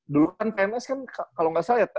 dulu kan pns kan kalau gak salah ya